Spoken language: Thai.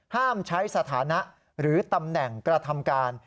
ห้ามใช้สถานะหรือตำแหน่งกระทำการ